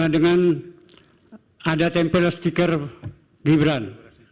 dengan ada tempel stiker gibran